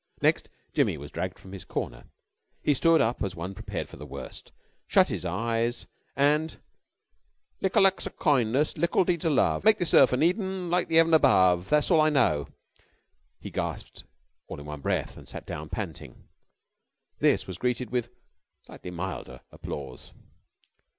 Next Jimmy was dragged from his corner. He stood up as one prepared for the worst, shut his eyes, and "Licklaxokindness lickledeedsolove make thisearfanedenliketheeav'nabovethasalliknow." he gasped all in one breath, and sat down panting. This was greeted with slightly milder applause.